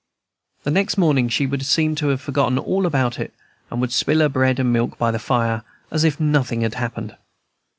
The next morning she would seem to have forgotten all about it, and would spill her bread and milk by the fire as if nothing had happened.